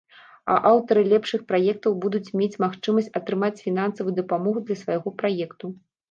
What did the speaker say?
А аўтары лепшых праектаў будуць мець магчымасць атрымаць фінансавую дапамогу для свайго праекту!